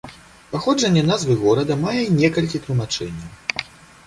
Паходжанне назвы горада мае некалькі тлумачэнняў.